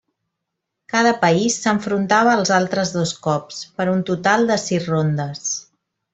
Cada país s'enfrontava als altres dos cops, per un total de sis rondes.